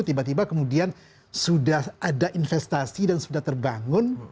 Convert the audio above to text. tiba tiba kemudian sudah ada investasi dan sudah terbangun